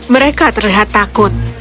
mereka terlihat takut